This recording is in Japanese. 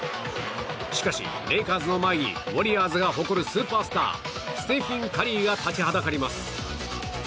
しかし、レイカーズを前にウォリアーズのスーパースタースティン・カリーが立ちはだかります。